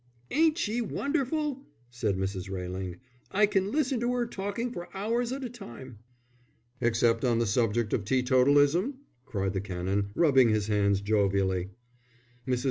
"Ain't she wonderful!" said Mrs. Railing. "I can listen to 'er talking for hours at a time." "Except on the subject of teetotalism?" cried the Canon, rubbing his hands jovially. Mrs.